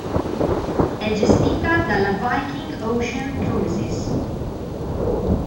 È gestita dalla Viking Ocean Cruises.